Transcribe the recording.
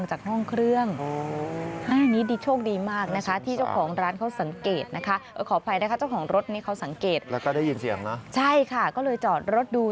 ใช่ค่ะก็เลยจอดรถดู